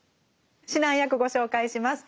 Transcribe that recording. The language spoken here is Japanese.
指南役ご紹介します。